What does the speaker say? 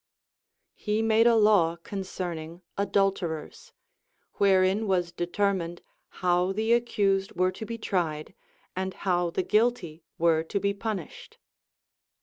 He made a law concerning• adulterers, wherein was determined how the accused were to be tried and how the guilty were to be punished.